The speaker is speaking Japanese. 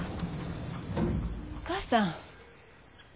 お母さん。